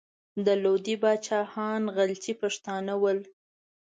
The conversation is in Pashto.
د لودي پاچاهان غلجي پښتانه ول.